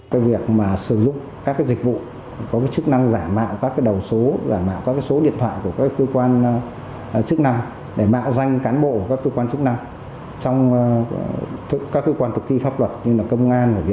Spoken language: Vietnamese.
cái việc mà sử dụng các cái dịch vụ có cái chức năng giả mạo các cái đầu số giả mạo các cái số điện thoại của các cơ quan chức năng để mạo danh cán bộ của các cơ quan chức năng